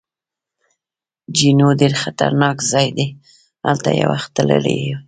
جینو: ډېر خطرناک ځای دی، هلته یو وخت تللی یې؟